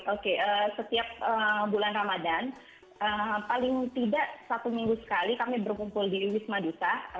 oke setiap bulan ramadan paling tidak satu minggu sekali kami berkumpul di wisma duta